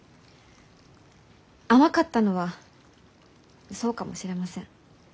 甘かったのはそうかもしれません。